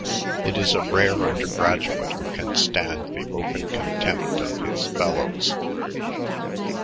It is a rare undergraduate who can stand the open contempt of his fellows."